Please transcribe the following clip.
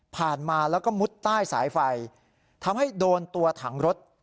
มาแล้วก็มุดใต้สายไฟทำให้โดนตัวถังรถ